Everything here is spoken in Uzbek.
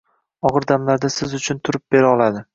og‘ir damlarda siz uchun turib bera oladi.